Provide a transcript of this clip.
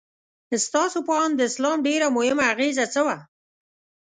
ستاسو په اند د اسلام ډېره مهمه اغیزه څه وه؟